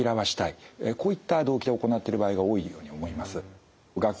こういった動機で行ってる場合が多いように思います。